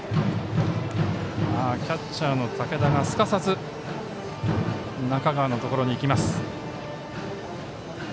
キャッチャーの武田がすかさず中川のところに行きます。